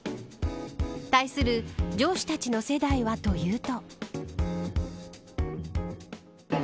対する上司たちの世代はというと。